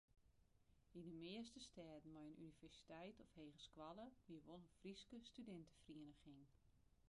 Yn de measte stêden mei in universiteit of hegeskoalle wie wol in Fryske studinteferiening.